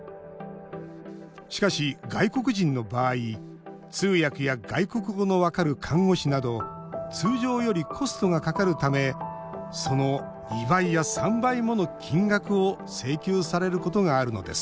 しかし、外国人の場合通訳や外国語の分かる看護師など通常よりコストがかかるためその２倍や３倍もの金額を請求されることがあるのです。